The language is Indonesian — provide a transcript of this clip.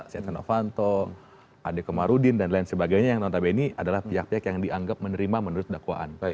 si etna novanto ade kemarudin dan lain sebagainya yang menurut saya ini adalah pihak pihak yang dianggap menerima menurut dakwaan